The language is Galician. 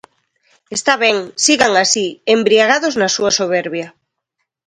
Está ben, sigan así, embriagados na súa soberbia.